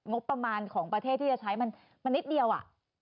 งบประมาณของประเทศที่จะใช้มันนิดเดียว